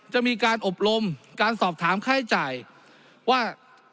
จะมีการอบรมการสอบถามค่าใช้จ่ายว่า